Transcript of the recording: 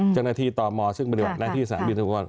เจ้าหน้าที่ตอมมซึ่งปฏิบัติหน้าที่สหรัฐบินทรัพย์